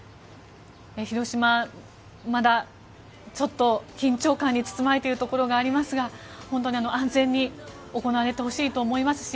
広島、まだちょっと緊張感に包まれているところがありますが本当に安全に行われてほしいと思いますし。